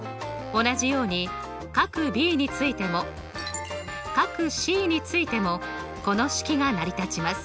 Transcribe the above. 同じように角Ｂについても角Ｃについてもこの式が成り立ちます。